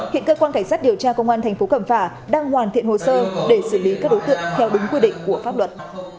hiện cơ quan cảnh sát điều tra công an thành phố cẩm phả đang hoàn thiện hồ sơ để xử lý các đối tượng theo đúng quy định của pháp luật